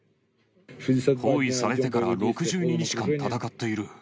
包囲されてから６２日間戦っている。